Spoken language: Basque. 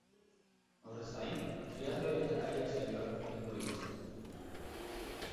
Horrez gain, triathloi eta kayak saioak egingo dituzte.